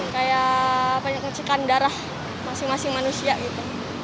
kayak ngecikan darah masing masing manusia gitu